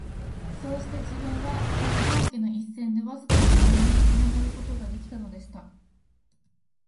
そうして自分は、この道化の一線でわずかに人間につながる事が出来たのでした